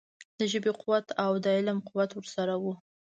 د ژبې قوت او د علم قوت ورسره وو.